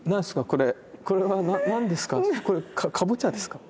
これは何ですか？